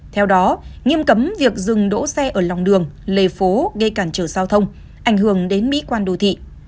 theo đó nghiêm cấm việc dừng đỗ xe ở lòng đường lề phố gây cản trở giao thông ảnh hưởng đến mỹ quan đô thị